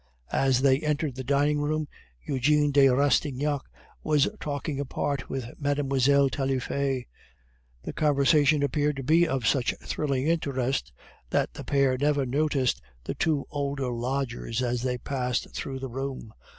As they entered the dining room, Eugene de Rastignac was talking apart with Mlle. Taillefer; the conversation appeared to be of such thrilling interest that the pair never noticed the two older lodgers as they passed through the room.